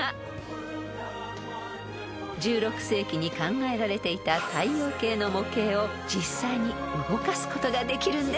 ［１６世紀に考えられていた太陽系の模型を実際に動かすことができるんです］